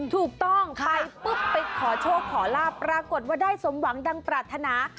ถูกต้องไปปุ๊บไปขอโชคขอลาบปรากฏว่าได้สมหวังดังปรารถนา